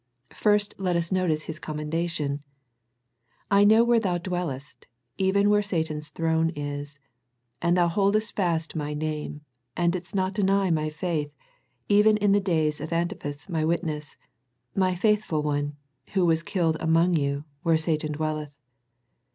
First let us notice His commendation. " I know where thou dwellest, even where Satan's throne is : and thou boldest fast My name, and didst not deny My faith, even in the days of Antipas My witness. My faithful one, who was killed among you, where Satan dwelleth."